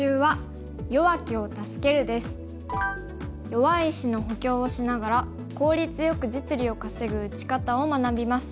弱い石の補強をしながら効率よく実利を稼ぐ打ち方を学びます。